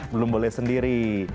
belum boleh sendiri